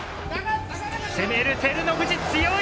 攻める照ノ富士強い！